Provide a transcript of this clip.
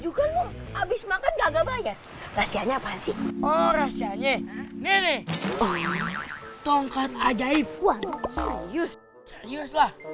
ini abis makan gagal bayar rasianya apaan sih rasianya ini tongkat ajaib wah sayus sayus lah